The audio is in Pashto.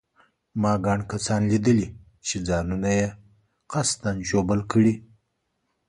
ما ګڼ کسان لیدلي چې ځانونه یې قصداً ژوبل کړي.